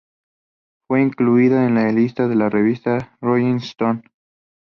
Fue incluida en la lista de la revista Rolling Stone.